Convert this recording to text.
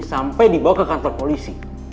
sampai dibawa ke kantor polisi